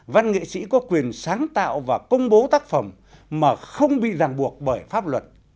văn nghệ sĩ có quyền sáng tạo và công bố tác phẩm mà không bị ràng buộc bởi pháp luật